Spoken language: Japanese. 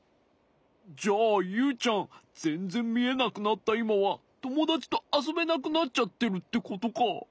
じゃあユウちゃんぜんぜんみえなくなったいまはともだちとあそべなくなっちゃってるってことか？